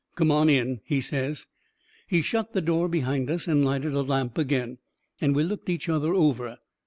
"Come on in," he says. He shut the door behind us and lighted a lamp agin. And we looked each other over.